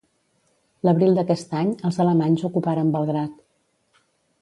L'abril d'aquest any els alemanys ocuparen Belgrad.